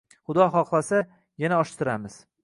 Xudo xohlasa, yana ochtiramiz